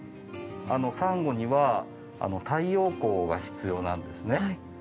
サンゴには太陽光が必要なんですね。